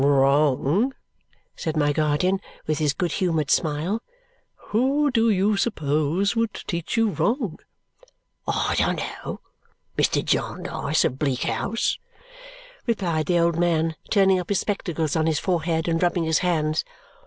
"Wrong?" said my guardian with his good humoured smile. "Who do you suppose would teach you wrong?" "I don't know, Mr. Jarndyce of Bleak House!" replied the old man, turning up his spectacles on his forehead and rubbing his hands.